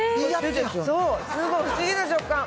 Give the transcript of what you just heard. すごい、不思議な食感。